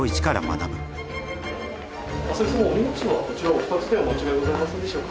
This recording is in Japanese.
お荷物はこちらお二つでお間違いございませんでしょうか。